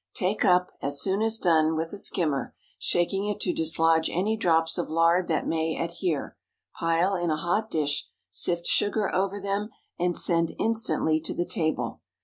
Take up, as soon as done, with a skimmer, shaking it to dislodge any drops of lard that may adhere; pile in a hot dish, sift sugar over them, and send instantly to the table.